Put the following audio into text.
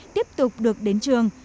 tiếp tục được đến trường